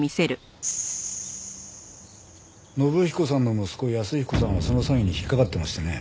信彦さんの息子安彦さんもその詐欺に引っかかってましてね